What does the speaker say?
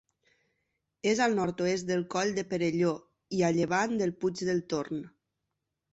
És al nord-oest del Coll de Perelló i a llevant del Puig del Torn.